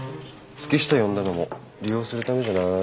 月下呼んだのも利用するためじゃない？